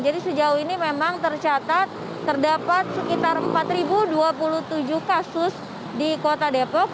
jadi sejauh ini memang tercatat terdapat sekitar empat dua puluh tujuh kasus di kota depok